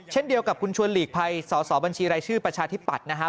เช่นเดียวกับคุณชวนหลีกภัยสอสอบัญชีรายชื่อประชาธิปัตย์นะฮะ